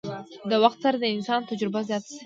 د وخت سره د انسان تجربه زياته شي